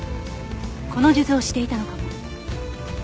この数珠をしていたのかも。